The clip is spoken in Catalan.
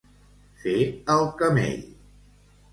Fer el camell.